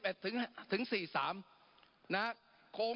ปรับไปเท่าไหร่ทราบไหมครับ